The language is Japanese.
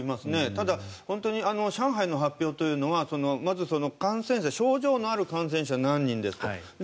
ただ、本当に上海の発表というのはまず、症状のある感染者何人ですと。